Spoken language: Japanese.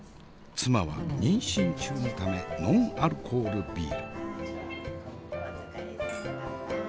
妻は妊娠中のためノンアルコールビール。